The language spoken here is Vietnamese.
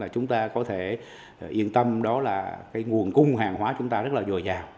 chúng ta có thể yên tâm đó là cái nguồn cung hàng hóa chúng ta rất là dồi dào